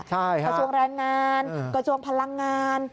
กระทรวงแรงงานกระทรวงพลังงาน